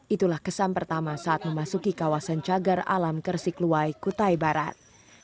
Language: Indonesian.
itulah kesan pertama saat memasuki kawasan cagar alam kersikluwai kutai barat